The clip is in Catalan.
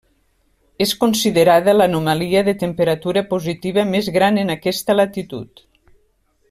És considerada l'anomalia de temperatura positiva més gran en aquesta latitud.